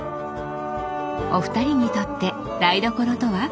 お二人にとって台所とは？